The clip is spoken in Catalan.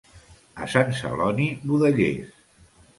A Sant Celoni, budellers.